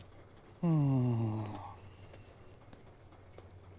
うん。